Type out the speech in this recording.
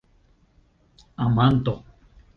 amanto